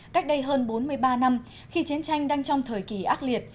cách đây hơn bốn mươi ba năm khi chiến tranh đang trong thời kỳ ác liệt